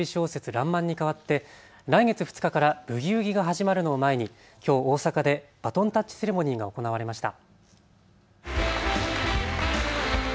らんまんに代わって来月２日からブギウギが始まるのを前にきょう大阪でバトンタッチセレモニーが行われました。